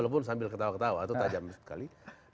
walaupun sambil ketawa ketawa atau tajam sekali